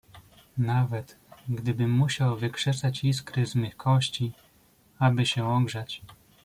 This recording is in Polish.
"Nawet, gdybym musiał wykrzesać iskry z mych kości, aby się ogrzać."